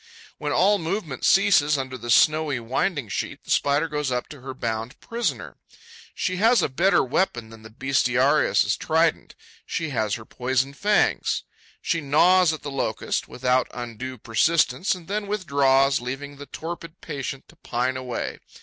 When all movement ceases under the snowy winding sheet, the Spider goes up to her bound prisoner. She has a better weapon than the bestiarius' trident: she has her poison fangs. She gnaws at the Locust, without undue persistence, and then withdraws, leaving the torpid patient to pine away.